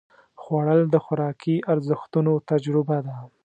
خوړل د خوراکي ارزښتونو تجربه ده